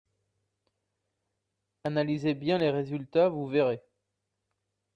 Analysez bien les résultats, vous verrez.